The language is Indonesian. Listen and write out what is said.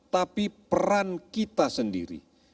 tapi peran kita sendiri